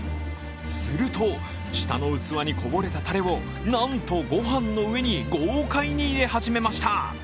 すると、下の器にこぼれたたれをなんとご飯の上に豪快に入れ始めました。